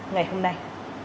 ngày hôm nay